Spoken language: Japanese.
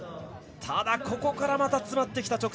ただ、そこから詰まってきた。